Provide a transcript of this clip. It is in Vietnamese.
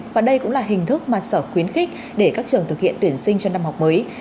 và đây cũng là hình thức mà sở khuyến khích để các trường thực hiện tuyển sinh cho năm học mới